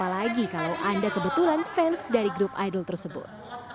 apalagi kalau anda kebetulan fans dari grup idol tersebut